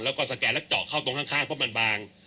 แล้วก็สแกนแล้วเจาะเข้าตรงข้างเพราะมันบาง